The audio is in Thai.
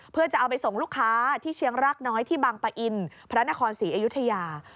เพื่อจะเอาไปส่งลูกค้าที่เชียงรากน้อยที่บางปะอินพระนครศรีอยุธยา